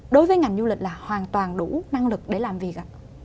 đối với ngành du lịch là hoàn toàn đủ năng lực để làm việc